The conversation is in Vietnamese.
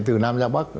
từ nam ra bắc